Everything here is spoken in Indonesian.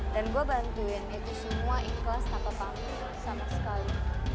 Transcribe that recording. dan gua bantuin itu semua ikhlas tanpa panggung sama sekali